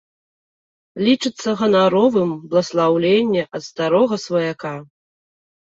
Лічыцца ганаровым бласлаўленне ад старога сваяка.